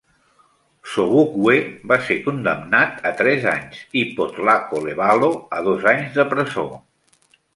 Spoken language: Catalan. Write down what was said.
Sobukwe va ser condemnat a tres anys i Potlako Leballo a dos anys de presó.